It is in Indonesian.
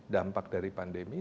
dampak dari pandemi